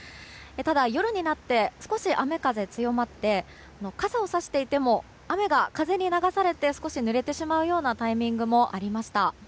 ただ、夜になって少し雨風強まって傘をさしていても雨が風に流されて少しぬれてしまうようなタイミングもありました。